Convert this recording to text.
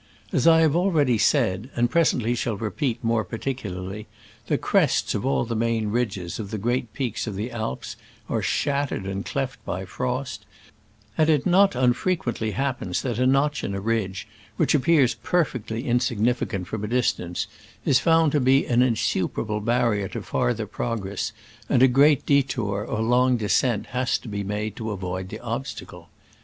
As I have already said, and presently shall repeat more particularly, the crests of all the main ridges of the great peaks of the Alps are shattered and cleft by frost ; and it not unfrequent ly happens that a notch in a ridge, which appears perfectly insignificant from a distance, is found to be an insuperable barrier to farther progress, and a great detour or a long descent has to be made to avoid the obstacle.